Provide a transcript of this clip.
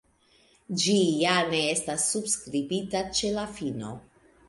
Ĝi ja ne estas subskribita ĉe la fino.